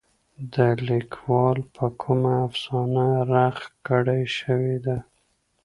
د ليکوال په کومه افسانه رغ کړے شوې ده.